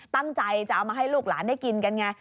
ตั้งใจจะเอามาให้ลูกหลานได้กินกันไง